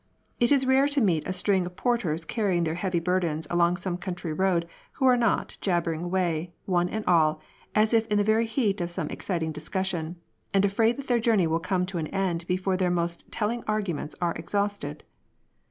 It is rare to meet a string of porters carrying their heavy bm^dens along some country road, who are not jabbering away, one and all, as if in the very heat of some exciting discus sion, and afraid that their journey will come to an end before their most telling arguments are exhausted.